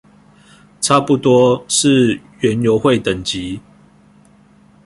差不多是園遊會等級